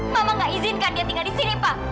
mama gak izinkan dia tinggal disini papa